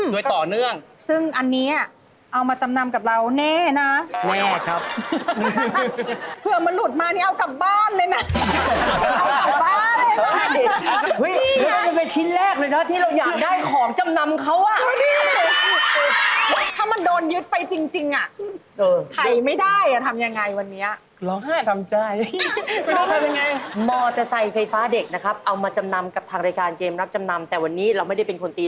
โดยต่อเนื่องซึ่งอันนี้เอามาจำนำกับเราแน่นะแน่ครับเผื่อมันหลุดมานี่เอากลับบ้านเลยนะที่เราอยากได้ของจำนำเขาอ่ะถ้ามันโดนยึดไปจริงจริงอ่ะถ่ายไม่ได้อ่ะทำยังไงวันนี้ร้องไห้ทำใจไฟฟ้าเด็กนะครับเอามาจำนำกับทางรายการเกมรับจำนำแต่วันนี้เราไม่ได้เป็นคนตี